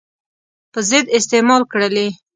په ضد استعمال کړلې.